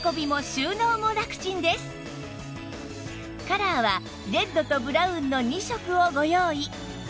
カラーはレッドとブラウンの２色をご用意